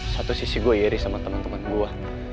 satu sisi gue iris sama temen temen gue